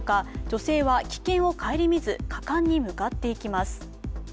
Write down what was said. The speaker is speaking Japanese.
女性は危険をかえりみず果敢に向かっていきます。